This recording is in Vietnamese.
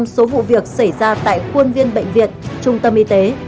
chín mươi số vụ việc xảy ra tại khuôn viên bệnh viện trung tâm y tế